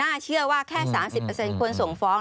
น่าเชื่อว่าแค่๓๐เปอร์เซ็นต์ควรส่งฟ้อง